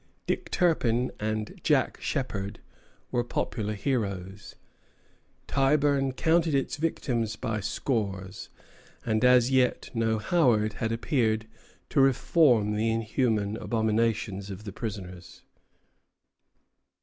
Dick Turpin and Jack Sheppard were popular heroes. Tyburn counted its victims by scores; and as yet no Howard had appeared to reform the inhuman abominations of the prisons.